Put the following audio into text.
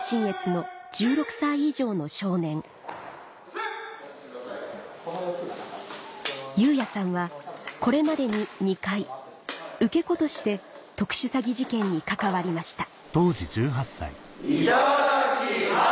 収容されているのはユウヤさんはこれまでに２回受け子として特殊詐欺事件に関わりましたいただきます！